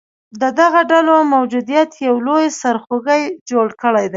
د دغه ډلو موجودیت یو لوی سرخوږې جوړ کړیدی